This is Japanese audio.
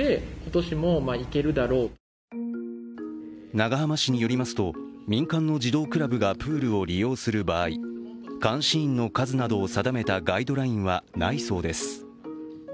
長浜市によりますと、民間の児童クラブがプールを利用する場合監視員の数などを定めたガイドラインはないそうです。